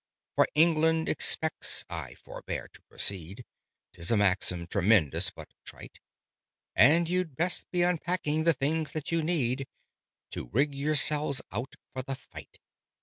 "For England expects I forbear to proceed: 'Tis a maxim tremendous, but trite: And you'd best be unpacking the things that you need To rig yourselves out for the fight."